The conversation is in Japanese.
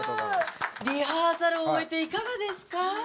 リハーサルを終えていかがですか？